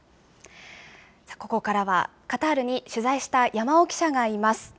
ここからは、カタールに取材した山尾記者がいます。